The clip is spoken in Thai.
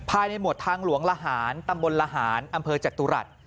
หมวดทางหลวงละหารตำบลละหารอำเภอจตุรัส